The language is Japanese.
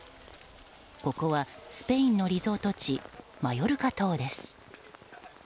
ここはスペインのリゾート地マヨルカ島です。